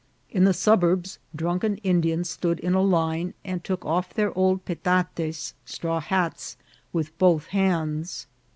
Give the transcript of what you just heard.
In the sub urbs drunken Indians stood in a line, and took off their old petates (straw hats) with both hands.